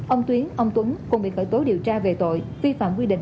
ông tuyến ông tuấn cũng bị khởi tố điều tra về tội vi phạm quy định